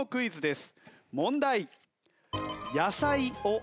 問題。